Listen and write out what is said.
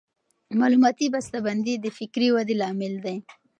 معلوماتي بسته بندي د فکري ودې لامل دی.